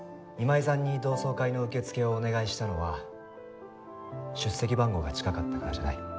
今井さんに同窓会の受付をお願いしたのは出席番号が近かったからじゃない。